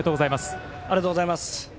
ありがとうございます。